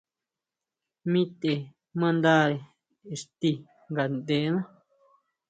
Mi te mandare ixti ngaʼndená.